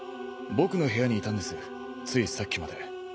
僕の部屋にいたんですついさっきまで。